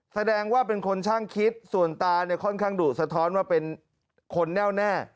แสดงว่าเป็นคนช่างคิดส่วนตาเนี่ยค่อนข้างดุสะท้อนว่าเป็นคนแน่วแน่